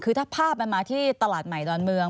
คือถ้าภาพมันมาที่ตลาดใหม่ดอนเมือง